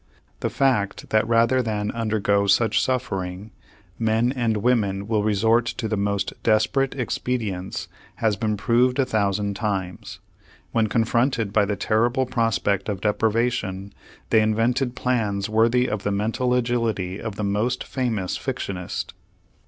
The fact that rather than undergo such suffering men and women will resort to the most desperate expedients has been proved a thousand times. When confronted by the terrible prospect of deprivation, they invented plans worthy of the mental agility of the most famous fictionist.